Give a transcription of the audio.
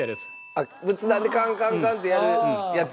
あっ仏壇でカンカンカンってやるやつ？